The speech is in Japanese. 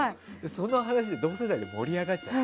その話で同世代で盛り上がっちゃって。